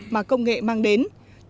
mà công nghệ mang đến